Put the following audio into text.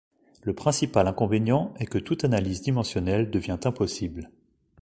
Le principal inconvénient est que toute analyse dimensionnelle devient impossible.